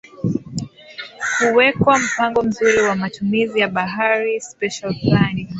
Kuwekwa mpango mzuri wa matumizi ya bahari Special planning